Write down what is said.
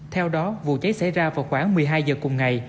theo đó vụ cháy xảy ra vào khoảng một mươi hai giờ cùng ngày